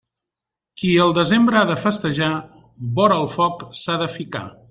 Qui al desembre ha de festejar, vora el foc s'ha de ficar.